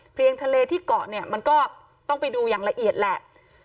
ทะเลที่เกาะเนี่ยมันก็ต้องไปดูอย่างละเอียดแหละ